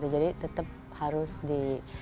jadi tetap harus di